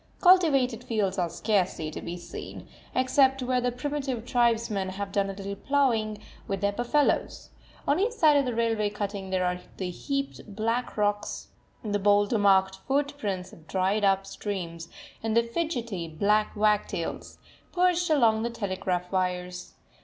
Cultivated fields are scarcely to be seen, except where the primitive tribesmen have done a little ploughing with their buffaloes; on each side of the railway cutting there are the heaped up black rocks the boulder marked footprints of dried up streams and the fidgety, black wagtails, perched along the telegraph wires.